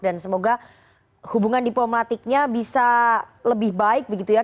dan semoga hubungan diplomatiknya bisa lebih baik begitu ya